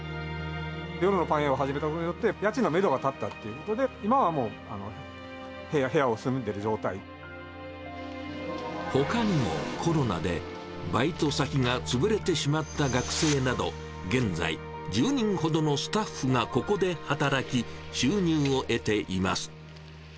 夜のパン屋を始めたことによって、家賃のめどが立ったということで、今はもう部屋に住んでるほかにも、コロナでバイト先が潰れてしまった学生など、現在、１０人ほどのスタッフがここで働き、収入を得ています。